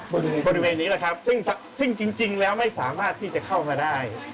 บริเวณนี้แหละครับซึ่งจริงแล้วไม่สามารถที่จะเข้ามาได้